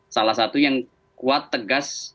salah satu yang kuat tegas